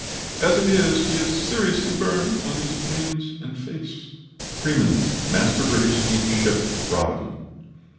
As it is, he is seriously burned on the hands and face. "FREEMAN, "Master British Steamship Roddam."